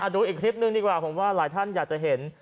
ดูอีกคลิปหนึ่งดีกว่าผมว่าหลายท่านอยากจะเห็น